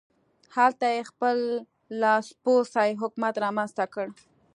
هلته یې خپل لاسپوڅی حکومت رامنځته کړ.